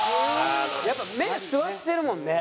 やっぱ目座ってるもんね。